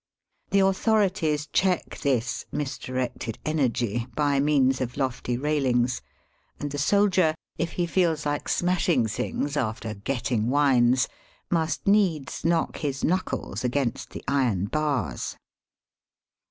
The authorities check this misdirected energy by means of lofty railings, and the soldier, if he feels like smashing things after " getting wines," must needs knock his knuckles against the iron bars.